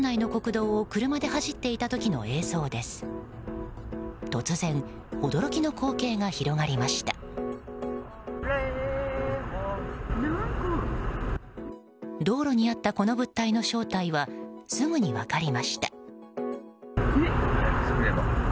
道路にあったこの物体の正体はすぐに分かりました。